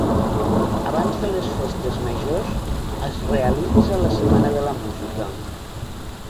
Abans de les festes majors es realitza la setmana de la música.